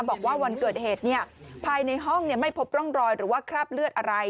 บอกว่าวันเกิดเหตุภายในห้องไม่พบร่องรอยหรือว่าคราบเลือดอะไร